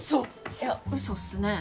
いやウソっすね。